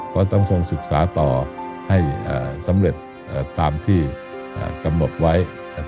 ก็ต้องทรงศึกษาต่อให้สำเร็จตามที่กำหนดไว้